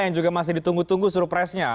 yang juga masih ditunggu tunggu suruh pressnya